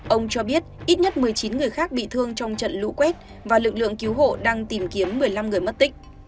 ông cho biết ít nhất một mươi chín người khác bị thương trong trận lũ quét và lực lượng cứu hộ đang tìm kiếm một mươi năm người mất tích